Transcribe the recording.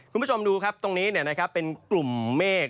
คุณผู้ชมดูครับตรงนี้เป็นกลุ่มเมฆ